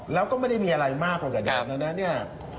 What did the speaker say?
แล้วก็ไม่ได้มีอะไรมากกว่าไกลก่อนแล้ว